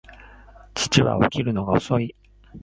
父は起きるのが遅い